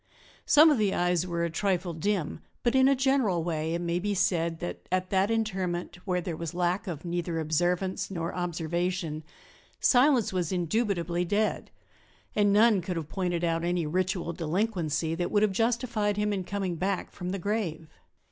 Some of the eyes were a trifle dim, but in a general way it may be said that at that interment there was lack of neither observance nor observation; Silas was indubitably dead, and none could have pointed out any ritual delinquency that would have justified him in coming back from the grave.